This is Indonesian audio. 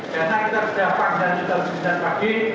karena kita sudah panggilan jam sembilan pagi